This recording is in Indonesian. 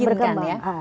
sudah memungkinkan ya